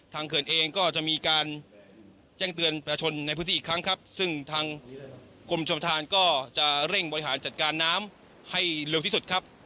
เขื่อนเองก็จะมีการแจ้งเตือนประชาชนในพื้นที่อีกครั้งครับซึ่งทางกรมชมทานก็จะเร่งบริหารจัดการน้ำให้เร็วที่สุดครับ